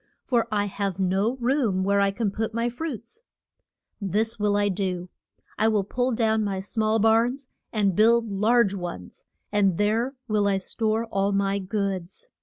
for I have no room where I can put my fruits. This will I do: I will pull down my small barns and build large ones, and there will I store all my goods.